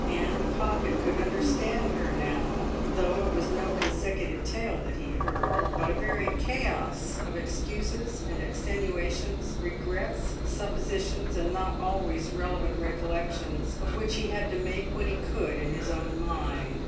And Pocket could understand her now, though it was no consecutive tale that he heard, but a very chaos of excuses and extenuations, regrets, suppositions, and not always revelant recollections, of which he had to make what he could in his own mind.